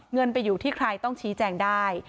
เงินไปอยู่ที่ใครต้องชี้แจงได้